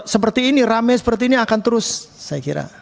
seperti ini rame seperti ini akan terus saya kira